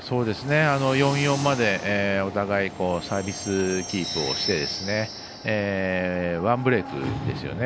４−４までお互いサービスキープをして１ブレークですよね。